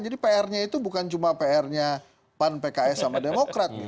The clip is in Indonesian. jadi pr nya itu bukan cuma pr nya pan pks sama demokrat